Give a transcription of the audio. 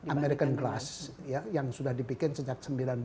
american glass yang sudah dibikin sejak seribu sembilan ratus sembilan puluh